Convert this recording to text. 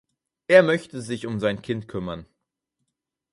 Er möchte sich um sein Kind kümmern.